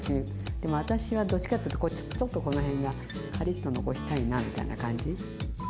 でも私はどっちかっていうとちょっとこの辺がカリッと残したいなみたいな感じ。